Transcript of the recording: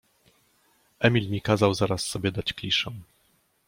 Emil mi kazał zaraz sobie dać kliszę.